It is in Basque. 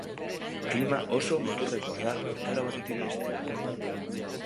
Klima oso muturrekoa da urtaro batetik bestera.